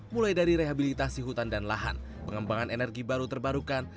seperti perusahaan perusahaan perusahaan perusahaan perusahaan perusahaan perusahaan perusahaan